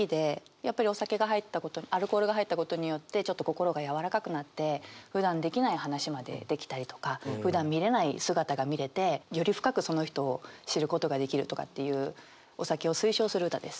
やっぱりお酒が入ったことアルコールが入ったことによってちょっと心が柔らかくなってふだんできない話までできたりとかふだん見れない姿が見れてより深くその人を知ることができるとかっていうお酒を推奨する歌です。